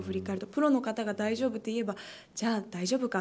プロの方が大丈夫といえばじゃあ大丈夫か